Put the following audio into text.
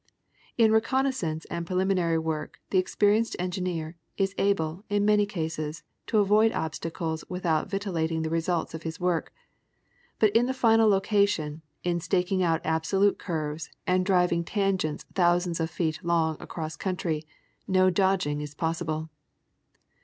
In reconnoissance and preliminary work the experienced engi neer, is able, in many cases, to avoid obstacles without vitiating the results of his work, but in the final location, in staking out absolute curves and driving tangents thousands of feet long across country, no dodging is possible.